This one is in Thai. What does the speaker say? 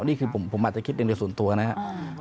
นี่คือผมอาจจะคิดในโดยส่วนตัวนะครับ